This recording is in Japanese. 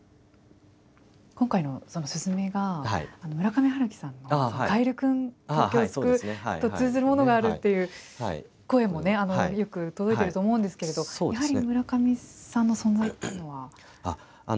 今回の鈴芽が村上春樹さんの「かえるくん、東京を救う」と通ずるものがあるという声もよく届いていると思うんですけれどやはり村上さんの存在というのは。